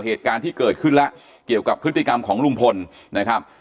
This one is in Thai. เหตุการณ์ที่เกิดขึ้นแล้วเกี่ยวกับพฤติกรรมของลุงพลนะครับ